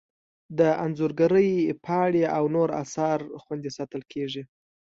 د انځورګرۍ پاڼې او نور اثار خوندي ساتل کیږي.